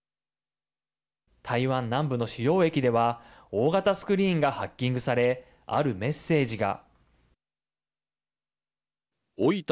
台湾南部の主要駅では大型スクリーンがハッキングされあるメッセージが。